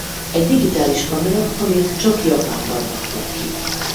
Egy digitális kamera amit csak Japánban adtak ki.